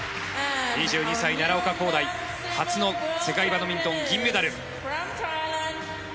２２歳、奈良岡功大初の世界バドミントン銀メダル。